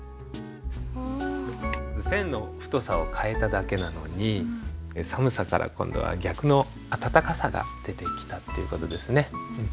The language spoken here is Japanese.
線の太さを変えただけなのに寒さから今度は逆の温かさが出てきたっていう事ですね。